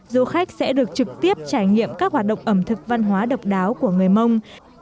du khách sẽ được trực tiếp trải nghiệm các hoạt động ẩm thực văn hóa độc đáo của người mông